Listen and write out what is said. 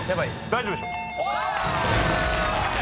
大丈夫でしょ。